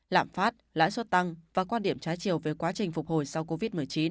lạm phát lãi suất tăng và quan điểm trái chiều về quá trình phục hồi sau covid một mươi chín